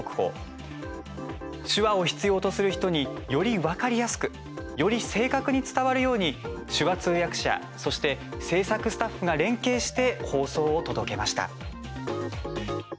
手話を必要とする人により分かりやすくより正確に伝わるように手話通訳者そして制作スタッフが連携して放送を届けました。